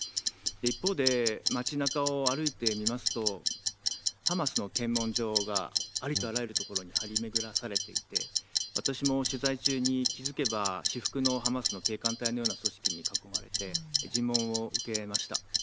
一方で、町なかを歩いてみますと、ハマスの検問所がありとあらゆる所に張りめぐらされていて、私も取材中に気付けば、私服のハマスの警官隊のような組織に囲まれて、尋問を受けました。